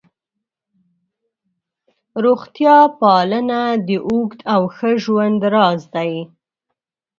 روغتیا پالنه د اوږد او ښه ژوند راز دی.